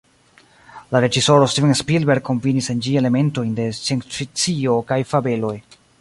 La reĝisoro Steven Spielberg kombinis en ĝi elementojn de sciencfikcio- kaj fabeloj.